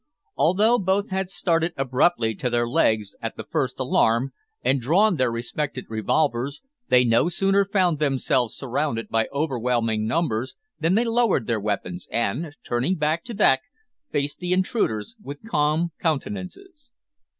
Although both had started abruptly to their legs at the first alarm, and drawn their respective revolvers, they no sooner found themselves surrounded by overwhelming numbers than they lowered their weapons, and, turning back to back, faced the intruders with calm countenances.